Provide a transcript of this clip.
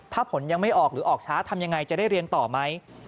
ถ้าผลยังไม่ออกหรือออกช้าทำยังไงจะได้เรียนต่อไหม